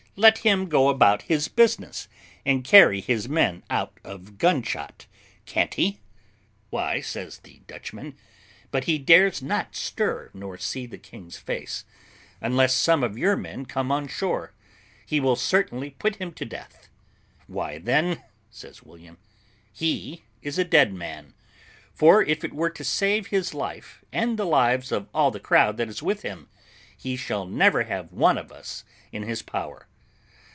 Let him go about his business, and carry his men out of gunshot, can't he?" "Why," says the Dutchman, "but he dares not stir, nor see the king's face; unless some of your men come on shore, he will certainly put him to death." "Why, then," says William, "he is a dead man; for if it were to save his life, and the lives of all the crowd that is with him, he shall never have one of us in his power.